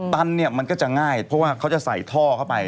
ตันเนี่ยมันก็จะง่ายเพราะว่าเขาจะใส่ท่อเข้าไป